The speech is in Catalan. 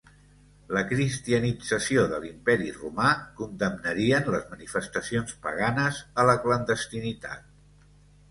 La cristianització de l'imperi Romà condemnarien les manifestacions paganes a la clandestinitat.